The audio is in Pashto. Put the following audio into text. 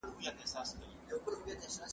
زه انځور ليدلی دی.